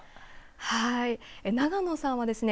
はい、永野さんはですね